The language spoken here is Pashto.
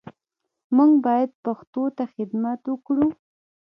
موږ باید پښتو ته خدمت وکړو